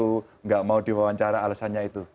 tidak mau diwawancara alasannya itu